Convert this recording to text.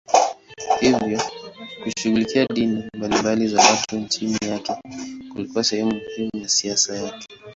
Hivyo kushughulikia dini mbalimbali za watu chini yake kulikuwa sehemu muhimu ya siasa yake.